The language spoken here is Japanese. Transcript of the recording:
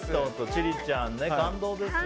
千里ちゃん、感動ですね。